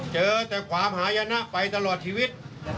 เจอแต่ความหายนะไปตลอดชีวิต